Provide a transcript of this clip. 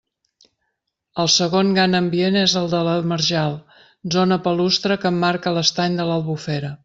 El segon gran ambient és el de la marjal, zona palustre que emmarca l'estany de l'Albufera.